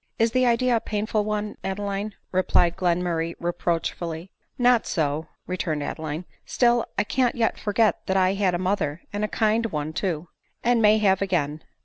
" Is the idea a painful one, Adeline ?" replied Glen murray reproachfully. " Not so," returned Adeline. " Still I can't yet for get that I had a mother, and a kind one too." " And may have again."